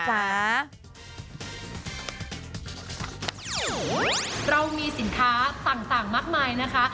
เรามีสินค้าต่างมากมายนะคะ